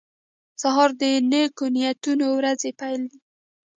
سهار د نیکو نیتونو ورځې پیل دی.